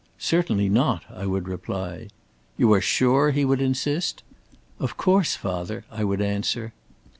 'Certainly not,' I would reply. 'You are sure?' he would insist. 'Of course, father,' I would answer.